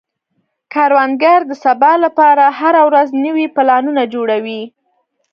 کروندګر د سبا لپاره هره ورځ نوي پلانونه جوړوي